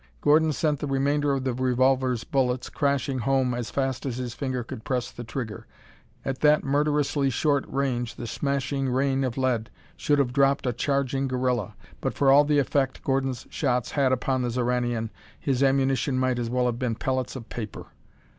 Gordon sent the remainder of the revolver's bullets crashing home as fast as his finger could press the trigger. At that murderously short range the smashing rain of lead should have dropped a charging gorilla. But for all the effect Gordon's shots had upon the Xoranian, his ammunition might as well have been pellets of paper.